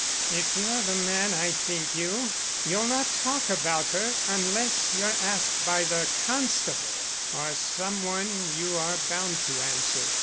"If you're the man I think you, you'll not talk about her unless you're asked by the constable or some one you are bound to answer.